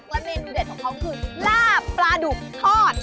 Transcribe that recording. เมนูเด็ดของเขาคือลาบปลาดุกทอด